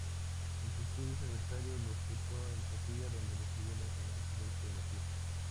Sus estudios universitarios los cursó en Sofia, donde recibió la enseñanza de geología.